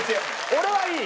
俺はいい。